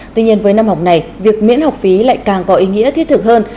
tuy nhiên với năm học này việc miễn học phí lại càng có ý nghĩa thiết thực hơn